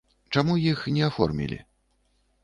Чаму іх не аформілі?